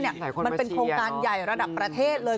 มันเป็นโครงการใหญ่ระดับประเทศเลย